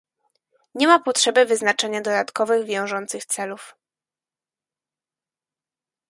Nie ma potrzeby wyznaczania dodatkowych wiążących celów